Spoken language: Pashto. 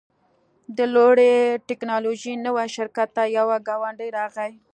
د لوړې ټیکنالوژۍ نوي شرکت ته یو ګاونډی راغی